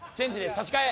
差し替え！